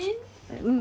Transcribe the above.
うん。